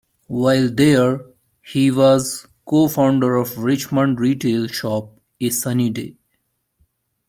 While there, he was co-founder of Richmond retail shop "A Sunny Day".